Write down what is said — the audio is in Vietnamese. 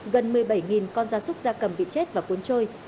gần một mươi bảy con da súc da cầm bị chết và cuốn trôi